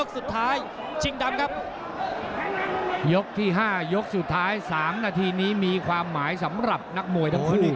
สัก๕ยกสุดท้าย๓นาทีนี้มีความหมายสำหรับนักมวยทั้งคู่